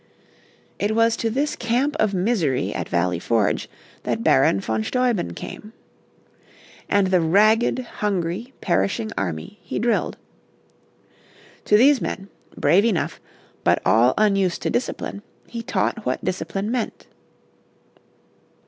It was to this camp of misery at Valley Forge that Baron von Steuben came. And the ragged, hungry, perishing army he drilled. To these men, brave enough, but all unused to discipline, he taught what discipline meant.